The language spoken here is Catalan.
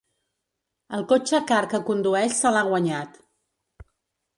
El cotxe car que condueix se l’ha guanyat.